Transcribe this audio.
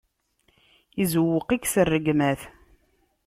Izewweq-ik, s rregmat.